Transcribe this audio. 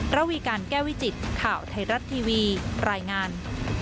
ระวีการแก้วิจิตข่าวไทยรัฐทีวีรายงาน